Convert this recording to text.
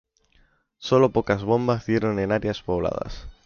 Solo pocas bombas dieron en áreas pobladas.